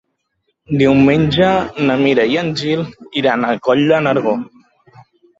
Diumenge na Mira i en Gil iran a Coll de Nargó.